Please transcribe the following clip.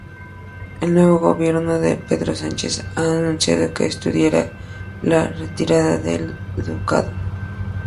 El nuevo gobierno de Pedro Sánchez ha anunciado que estudiará la retirada del ducado.